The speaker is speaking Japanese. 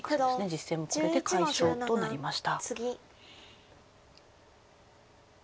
実戦もこれで解消となりました。